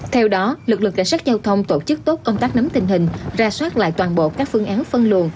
theo đó lực lượng cảnh sát giao thông tổ chức tốt công tác nắm tình hình ra soát lại toàn bộ các phương án phân luồng